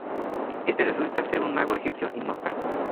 Éste resulta ser un mago egipcio inmortal.